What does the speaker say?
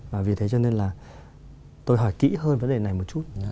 và vì thế cho nên là tôi hỏi kỹ hơn vấn đề này một chút